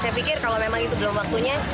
saya pikir kalau memang itu belum waktunya